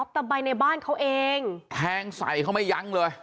แต่ใบในบ้านเขาเองแทงใส่เขาไม่ยั้งเลย